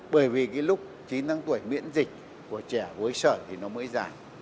bởi vì cái lúc chín tháng tuổi miễn dịch của trẻ gối sở thì nó mới giảm